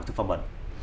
thực phẩm bẩn